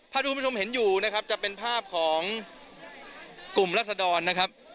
ที่คุณผู้ชมเห็นอยู่นะครับจะเป็นภาพของกลุ่มรัศดรนะครับ